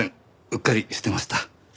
うっかりしてました。